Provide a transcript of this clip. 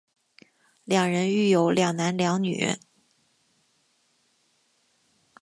两人育有两男两女。